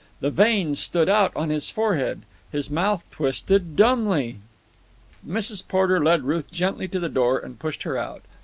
The veins stood out on his forehead. His mouth twisted dumbly. Mrs. Porter led Ruth gently to the door and pushed her out.